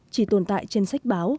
chỉ tồn tại trên sách báo